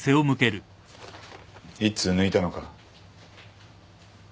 一通抜いたのか？